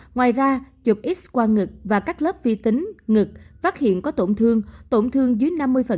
ngoài ra chụp x qua ngực và các lớp vi tính ngực phát hiện có tổn thương tổn thương dưới năm mươi